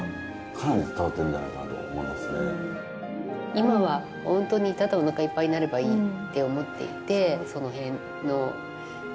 今は本当にただおなかいっぱいになればいいって思っていてその辺のね